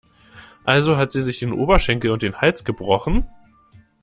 Also hat sie sich den Oberschenkel und den Hals gebrochen?